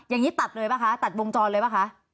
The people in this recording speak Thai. อย่างนี้ตัดเลยป่ะคะตัดวงจรเลยป่ะคะ